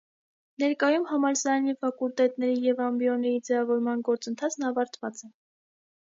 Ներկայում համալսարանի ֆակուլտետների և ամբիոնների ձևավորման գործընթացն ավարտված է։